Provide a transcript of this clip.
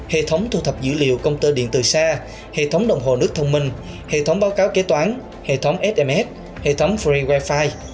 hệ thống thu thập dữ liệu công tơ điện từ xa hệ thống đồng hồ nước thông minh hệ thống báo cáo kế toán hệ thống sms hệ thống free wifi